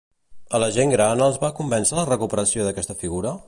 A la gent gran els va convèncer la recuperació d'aquesta figura?